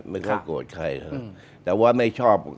ไม่โกรธใคร